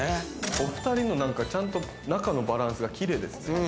お２人の何かちゃんと中のバランスがキレイですね。